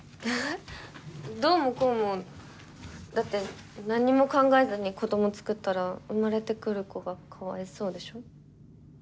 どうもこうもだって何にも考えずに子どもつくったら生まれてくる子がかわいそうでしょ？